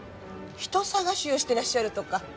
人捜しをしてらっしゃるとか。